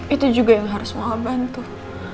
itu juga yang harus mau aban tuh